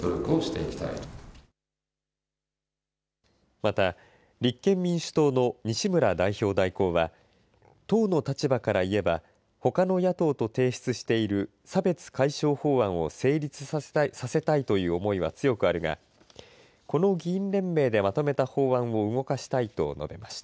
また立憲民主党の西村代表代行は党の立場から言えばほかの野党と提出している差別解消法案を成立させたいという思いは強くあるがこの議員連盟でまとめた法案を動かしたいと述べました。